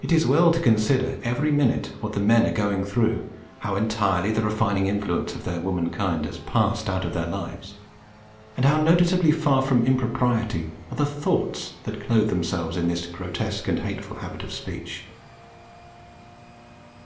It is well to consider every minute what the men are going through, how entirely the refining influence of their womankind has passed out of their lives, and how noticeably far from impropriety are the thoughts that clothe themselves in this grotesque and hateful habit of speech.